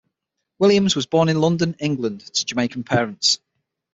Williams was born in London, England to Jamaican parents.